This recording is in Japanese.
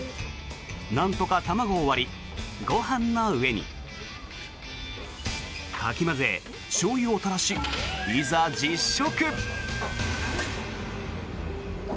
なんとか卵を割り、ご飯の上に。かき混ぜ、しょうゆを垂らしいざ実食。